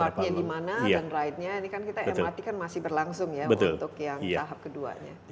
partnya di mana dan ride nya ini kan kita mrt kan masih berlangsung ya untuk yang tahap keduanya